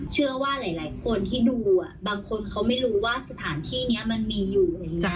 เชื่อว่าหลายคนที่ดูบางคนเขาไม่รู้ว่าสถานที่นี้มันมีอยู่